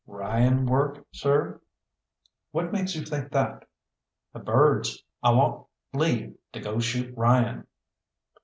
"Ryan work, sir?" "What makes you think that?" "The birds. I want leave to go shoot Ryan."